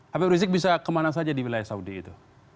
habib rizik bisa kemana saja di wilayah saudi itu